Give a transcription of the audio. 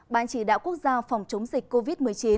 ban chỉ đạo quốc gia phòng chống dịch covid một mươi chín